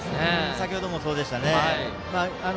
先程もそうでしたね。